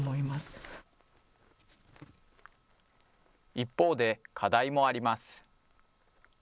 一方で課題もあります。